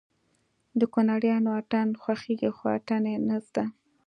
د کونړيانو اتڼ خوښېږي خو اتڼ يې نه زده